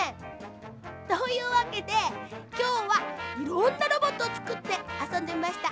というわけできょうはいろんなロボットをつくってあそんでみました。